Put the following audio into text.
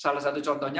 salah satu contohnya